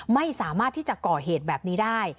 ไม่สามารถที่จะก่อเหตุแบบนี้ได้